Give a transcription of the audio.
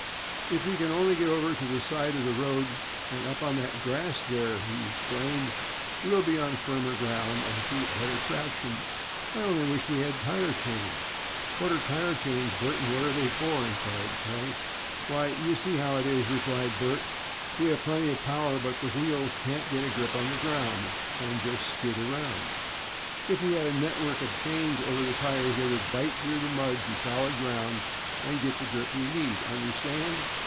"If we can only get over to the side of the road and up on that grass there," he explained, "we will be on firmer ground and can get better traction. I only wish we had tire chains." "What are tire chains, Bert, and what are they for?" inquired Frank. "Why, you see how it is," replied Bert, "we have plenty of power, but the wheels can't get a grip on the ground, and just skid around. If we had a network of chains over the tires they would bite through the mud to solid ground and get the grip we need. Understand?"